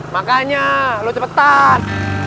makanya lu cepetan